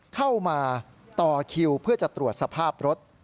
เข้ามาต่อคิวเพื่อจะตรวจสภาพรถ